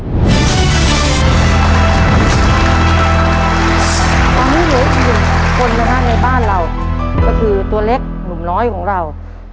ตอนนี้เหลืออีกหนึ่งคนนะฮะในบ้านเราก็คือตัวเล็กหนุ่มน้อยของเรา